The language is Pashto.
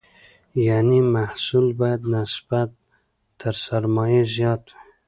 یعنې محصول باید نسبت تر سرمایې زیات وي.